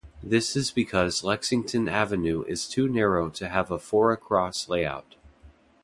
This is because Lexington Avenue is too narrow to have a four-across layout.